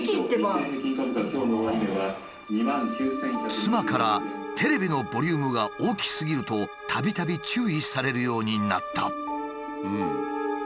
妻から「テレビのボリュームが大きすぎる」とたびたび注意されるようになった。